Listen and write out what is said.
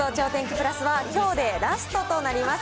プラスはきょうでラストとなります。